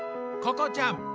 ここちゃん。